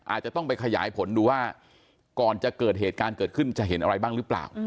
อาจจะต้องไปขยายผลดูว่าก่อนจะเกิดเหตุการณ์เกิดขึ้นจะเห็นอะไรบ้างหรือเปล่า